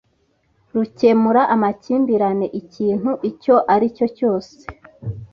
rukemura amakimbirane ikintu icyo ari cyo cyose